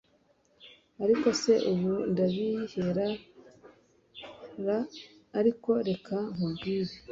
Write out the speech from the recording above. ariko se ubu ndabihera ra ariko reka nkubwire